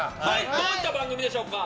どういった番組でしょうか。